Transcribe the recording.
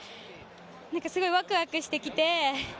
すごいワクワクしてきて。